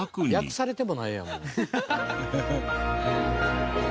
訳されてもないやんもう。